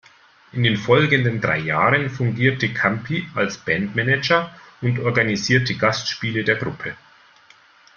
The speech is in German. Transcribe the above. In den folgenden drei Jahren fungierte Campi als Bandmanager und organisierte Gastspiele der Gruppe.